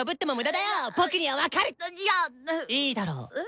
いいだろう。え？